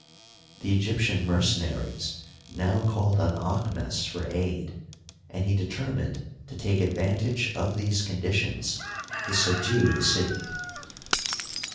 The Egyptian mercenaries now called on Aahmes for aid, and he determined to take advantage of these conditions to subdue the city.